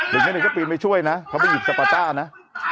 เด็กนั้นเด็กก็ไปช่วยนะเขาไปหยิบสปาต้านะ